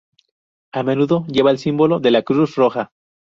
A menudo lleva el símbolo de la Cruz Roja.